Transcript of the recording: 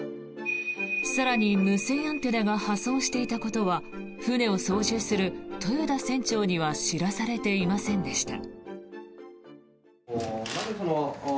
更に、無線アンテナが破損していたことは船を操縦する豊田船長には知らされていませんでした。